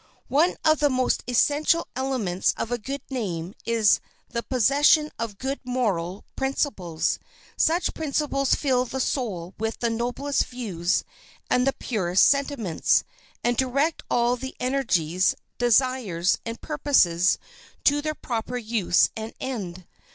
One of the most essential elements of a good name is the possession of good moral principles. Such principles fill the soul with the noblest views and the purest sentiments, and direct all the energies, desires, and purposes to their proper use and end.